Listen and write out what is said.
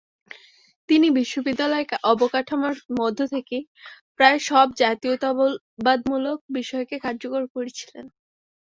তিনি বিশ্ববিদ্যালয়ের অবকাঠামোর মধ্যে থেকেই প্রায় সব জাতীয়তাবাদমূলক বিষয়কে কার্যকর করেছিলেন।